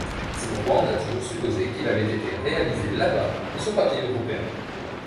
C'est pourquoi on a toujours supposé qu'il avait été réalisé là-bas sur papier européen.